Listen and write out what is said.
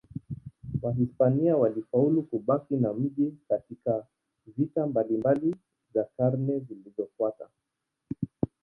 Wahispania walifaulu kubaki na mji katika vita mbalimbali za karne zilizofuata.